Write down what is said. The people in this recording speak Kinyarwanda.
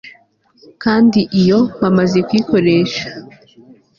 Kandi iyo bamaze kuyikoresha